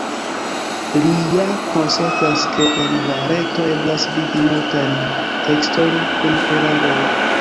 Li ja konsentas, ke en la reto eblas vidi multajn tekstojn kun eraroj.